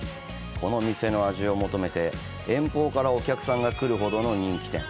この店の味を求めて遠方からお客さんが来るほどの人気店。